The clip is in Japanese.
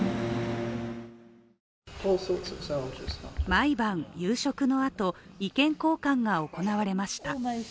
毎晩夕食のあと、意見交換が行われました。